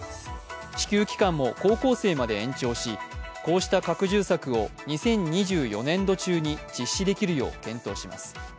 支給期間も高校生まで延長しこうした拡充策を２０２４年度中に実施できるよう検討します。